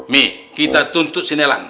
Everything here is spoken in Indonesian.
mi kita tuntut si nelang